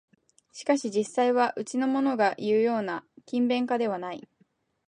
しかし実際はうちのものがいうような勤勉家ではない